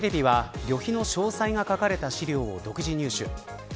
フジテレビは旅費の詳細が書かれた資料を独自入手。